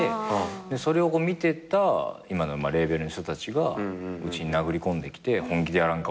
それを見てた今のレーベルの人たちがうちに殴り込んできて本気でやらんか？